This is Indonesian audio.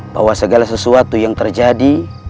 bahwa segala sesuatu yang terjadi